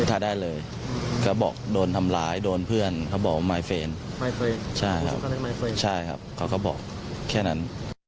ข้าได้เลยเขาบอกโดนทำร้ายโดนเพื่อนครับบอกไมค์เฟนใช่ครับเขาก็บอกแค่นั้น